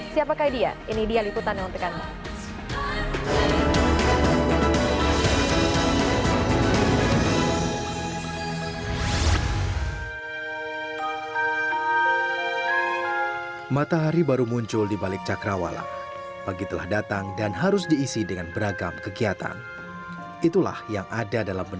siapakah dia ini dia liputannya untuk anda